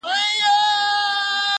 مُلا وویل سلطانه ستا قربان سم،